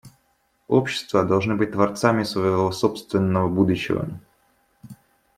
Общества должны быть творцами своего собственного будущего.